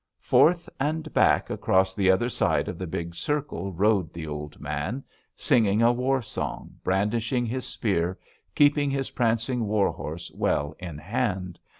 "Forth and back across the other side of the big circle rode the old man, singing a war song, brandishing his spear, keeping his prancing war horse well in hand.